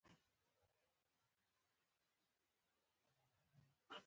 په نولسمې پېړۍ کې چینایان بېوزله ملتونه وو.